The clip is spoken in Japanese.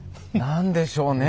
何でしょうね？